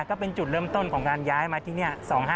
ก็เป็นจุดเริ่มต้นของการย้ายมาที่นี่